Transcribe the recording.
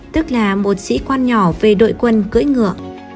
tức là một sĩ quan nhỏ về đội quân cưỡi ngựa